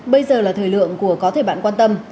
bây giờ là thời lượng của có thể bạn quan tâm